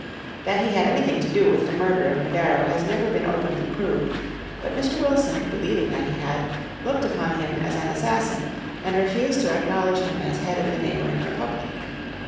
That he had anything to do with the murder of Madero has never been openly proved, but Mr. Wilson, believing that he had, looked upon him as an assassin, and refused to acknowledge him as head of the neighboring republic.